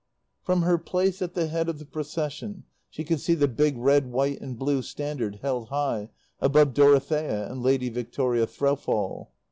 From her place at the head of the Procession she could see the big red, white and blue standard held high above Dorothea and Lady Victoria Threlfall.